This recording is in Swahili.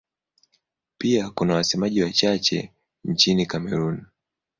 Pia kuna wasemaji wachache nchini Kamerun.